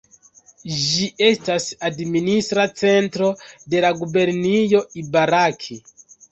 Ĝi estas administra centro de la gubernio Ibaraki.